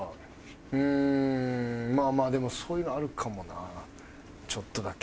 うーんまあまあでもそういうのあるかもなちょっとだけ。